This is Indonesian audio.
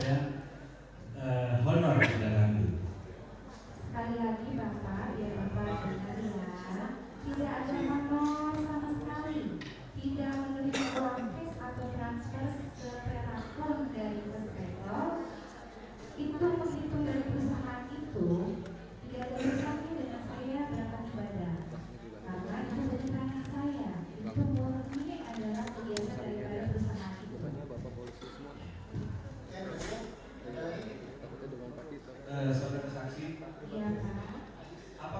sebentar saudara baru menangkap tanggal dua puluh enam maret dan saudara katakan tadi setelah sampai nohkan baru diproses mou